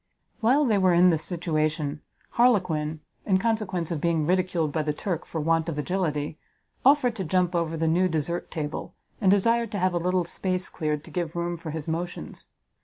While they were in this situation, Harlequin, in consequence of being ridiculed by the Turk for want of agility, offered to jump over the new desert table, and desired to have a little space cleared to give room for his motions.